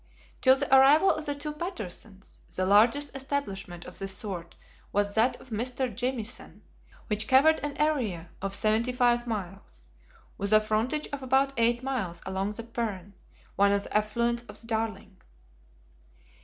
Till the arrival of the two Pattersons, the largest establishment of this sort was that of Mr. Jamieson, which covered an area of seventy five miles, with a frontage of about eight miles along the Peron, one of the affluents of the Darling.